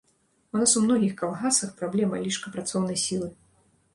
У нас у многіх калгасах праблема лішка працоўнай сілы.